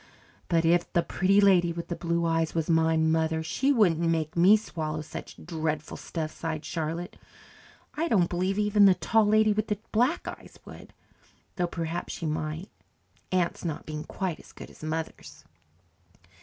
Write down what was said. "But if the Pretty Lady with the Blue Eyes was my mother, she wouldn't make me swallow such dreadful stuff," sighed Charlotte. "I don't believe even the Tall Lady with the Black Eyes would though perhaps she might, aunts not being quite as good as mothers."